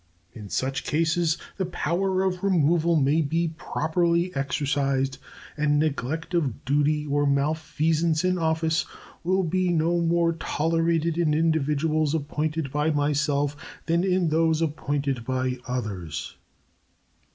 In such cases the power of removal may be properly exercised; and neglect of duty or malfeasance in office will be no more tolerated in individuals appointed by myself than in those appointed by others.